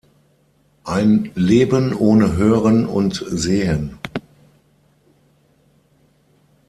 Ein Leben ohne Hören und Sehen.